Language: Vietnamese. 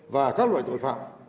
và các loại tội phạm